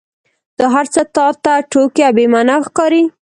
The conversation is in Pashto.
دا هرڅه تا ته ټوکې او بې معنا ښکاري.